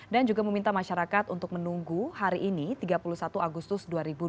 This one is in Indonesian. dan juga meminta masyarakat untuk menunggu hari ini tiga puluh satu agustus dua ribu dua puluh dua